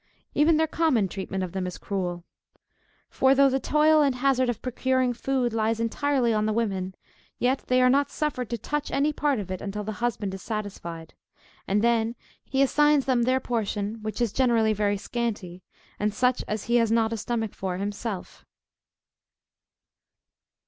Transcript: Even their common treatment of them is cruel. For, though the toil and hazard of procuring food lies entirely on the women, yet they are not suffered to touch any part of it, until the husband is satisfied; and then he assign them their portion, which is generally very scanty, and such as he has not a stomach for himself."